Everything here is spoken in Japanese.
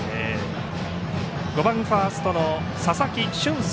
５番ファーストの佐々木駿介。